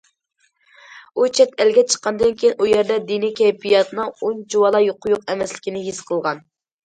ئۇ چەت ئەلگە چىققاندىن كېيىن، ئۇ يەردە دىنىي كەيپىياتنىڭ ئۇنچىۋالا قويۇق ئەمەسلىكىنى ھېس قىلغان.